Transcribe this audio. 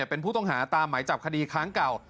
เป็นผู้ต้องหาตามหมายจับคดีค้างเก่า